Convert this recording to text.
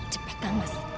cepet kan mas